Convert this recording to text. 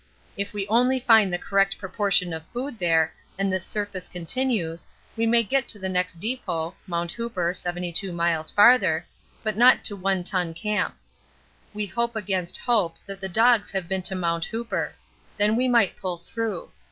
If we only find the correct proportion of food there and this surface continues, we may get to the next depot [Mt. Hooper, 72 miles farther] but not to One Ton Camp. We hope against hope that the dogs have been to Mt. Hooper; then we might pull through.